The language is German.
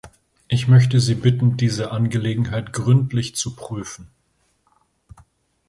Ich möchte Sie bitten, diese Angelegenheit gründlich zu prüfen.